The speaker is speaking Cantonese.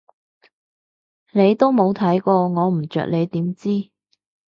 你都冇睇過我唔着你點知？